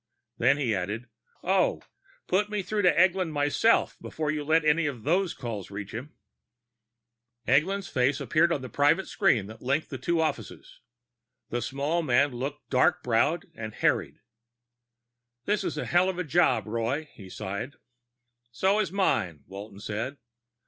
Then he added, "Oh, put me through to Eglin myself before you let any of those calls reach him." Eglin's face appeared on the private screen that linked the two offices. The small man looked dark browed and harried. "This is a hell of a job, Roy," he sighed. "So is mine," Walton said.